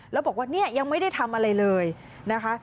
แล้วบอกว่าเนี่ยยังไม่ได้ทำอะไรเลยนะคะ